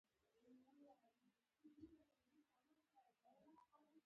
د باجوړیانو، سواتیانو او کونړیانو ګړدود بیخي يو ډول دی